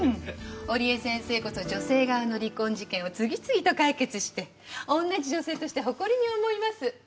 織枝先生こそ女性側の離婚事件を次々と解決して同じ女性として誇りに思います。